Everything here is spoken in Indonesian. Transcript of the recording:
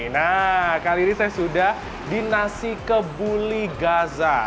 nah kali ini saya sudah di nasi kebuli gaza